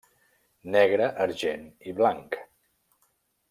Negre, argent i blanc.